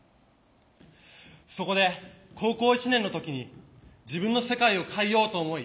そこで高校１年の時に自分の世界を変えようと思い